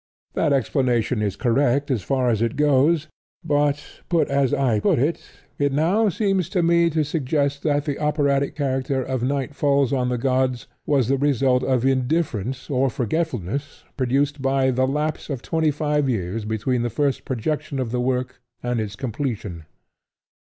That explanation is correct as far as it goes; but, put as I put it, it now seems to me to suggest that the operatic character of Night Falls On The Gods was the result of indifference or forgetfulness produced by the lapse of twenty five years between the first projection of the work and its completion.